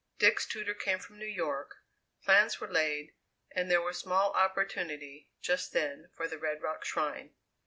Dick's tutor came from New York, plans were laid, and there was small opportunity, just then, for the red rock shrine.